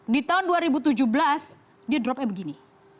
di tahun dua ribu tujuh belas dia dropnya begini